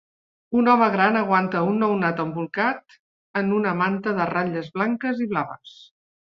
Un home gran aguanta un nounat embolcat en una manta de ratlles blanques i blaves.